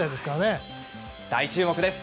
大注目です。